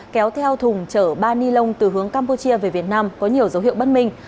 kéo theo thùng chở ba ni lông từ hướng campuchia về việt nam có nhiều dấu hiệu bất minh